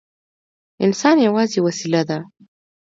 انسان یوازې وسیله ده.